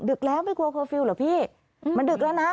ดึกแล้วไม่กลัวเคอร์ฟิลล์เหรอพี่มันดึกแล้วนะ